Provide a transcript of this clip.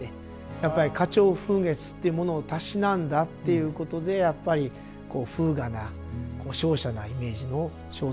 やっぱり花鳥風月っていうものをたしなんだっていうことでやっぱり風雅な瀟洒なイメージの装束を合わせていくことになります。